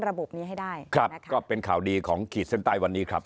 ระบบนี้ให้ได้ครับนะคะก็เป็นข่าวดีของขีดเส้นใต้วันนี้ครับ